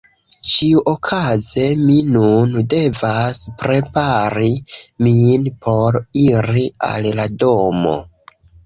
Ĉiuokaze mi nun devas prepari min por iri al la domo.